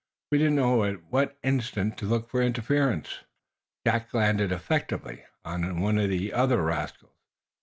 We don't know at what instant to look for interference." Jack landed effectively on another of the rascals.